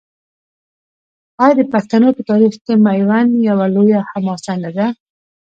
آیا د پښتنو په تاریخ کې میوند یوه لویه حماسه نه ده؟